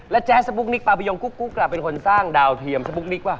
แล้วแจ๊สสปุ๊กนิกปาปะยงกุ๊กกลับเป็นคนสร้างดาวเทียมสปุ๊กนิกป่ะ